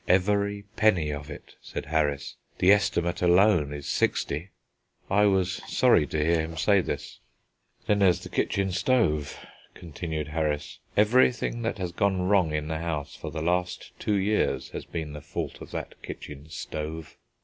"Every penny of it," said Harris; "the estimate alone is sixty." I was sorry to hear him say this. "Then there's the kitchen stove," continued Harris; "everything that has gone wrong in the house for the last two years has been the fault of that kitchen stove."